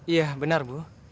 iya benar bu